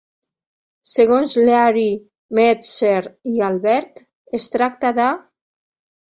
Segons Leary, Metzer i Albert, es tracta de...